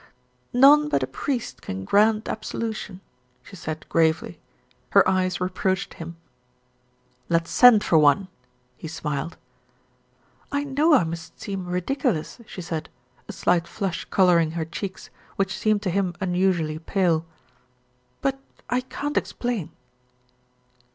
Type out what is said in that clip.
"None but a priest can grant absolution," she said gravely. Her eyes reproached him. "Let's send for one," he smiled. "I know I must seem ridiculous," she said, a slight flush colouring her cheeks, which seemed to him un usually pale; "but I can't explain."